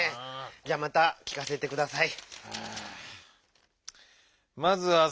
じゃまたきかせてください。